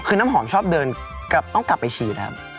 คือน้ำหอมชอบเดินต้องกลับไปฉีดครับ